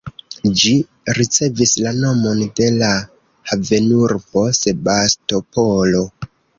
Ĝi ricevis la nomon de la havenurbo Sebastopolo.